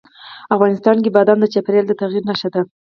افغانستان کې بادام د چاپېریال د تغیر نښه ده.